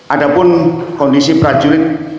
adapun kondisi prajurit